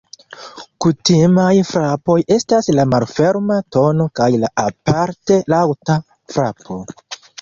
Kutimaj frapoj estas la malferma tono kaj la aparte laŭta frapo.